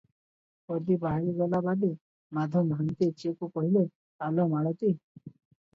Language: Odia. ପଦୀ ବାହାରି ଗଲା ବାଦେ ମାଧ ମହାନ୍ତିଏ ଝିଅକୁ କହିଲେ, "ଆଲୋ ମାଳତୀ!